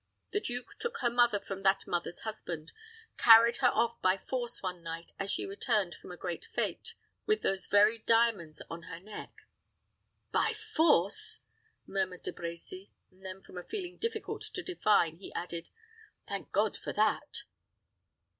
"The duke took her mother from that mother's husband carried her off by force one night as she returned from a great fête, with those very diamonds on her neck." "By force!" murmured De Brecy; and then from a feeling difficult to define, he added, "thank God for that!"